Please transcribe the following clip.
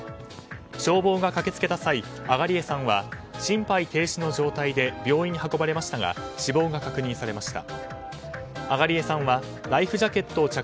消防が駆け付けた際、東江さんは心肺停止の状態で病院に運ばれましたが死亡が確認されました。